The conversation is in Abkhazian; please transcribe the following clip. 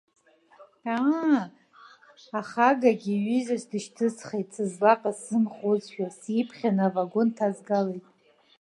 Аа, ахагагьы ҩызас дышьҭысхит, сызлаҟаз сзымхозшәа, сиԥхьаны авагон дҭазгалеит.